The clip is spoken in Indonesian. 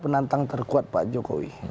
penantang terkuat pak jokowi